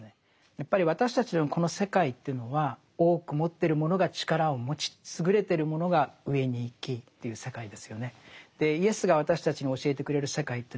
やっぱり私たちのこの世界というのは多く持ってる者が力を持ち優れてる者が上に行きという世界ですよね。